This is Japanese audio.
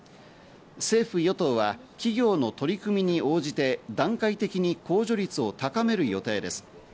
政府・与党は企業の取り組みに応じて、段階的に控除率を高める予定です。